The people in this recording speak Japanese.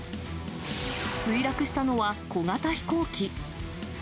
墜落したのは、小型飛行機。